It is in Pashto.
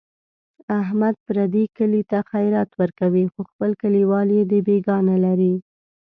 احمد پردي کلي ته خیرات ورکوي، خو خپل کلیوال یې دبیګاه نه لري.